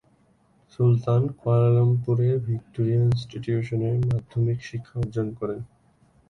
সুলতান কুয়ালালামপুরের ভিক্টোরিয়া ইনস্টিটিউশনে মাধ্যমিক শিক্ষা অর্জন করেন।